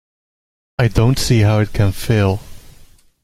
I don't see how it can fail.